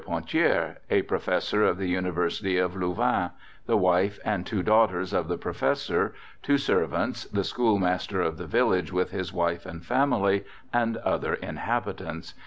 Ponthiere, a professor of the University of Louvain, the wife and two daughters of the professor, two servants, the schoolmaster of the village with his wife and family, and other inhabitants.